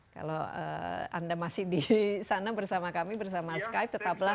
kalau anda masih di sana bersama kami bersama skype tetaplah